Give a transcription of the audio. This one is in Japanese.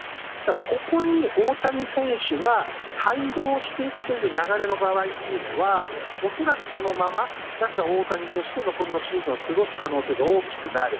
ここに大谷選手が帯同していく流れの場合というのは恐らくこのまま打者・大谷として残りのシーズンを過ごす可能性が大きくなる。